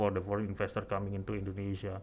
untuk investor asing yang datang ke indonesia